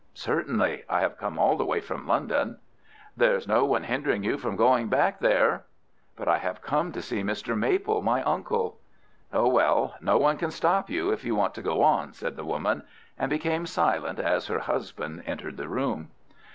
"Certainly. I have come all the way from London." "There's no one hindering you from going back there." "But I have come to see Mr. Maple, my uncle." "Oh, well, no one can stop you if you want to go on," said the woman, and became silent as her husband entered the room.